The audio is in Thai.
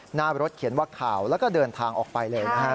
หน้ารถเขียนว่าข่าวแล้วก็เดินทางออกไปเลยนะฮะ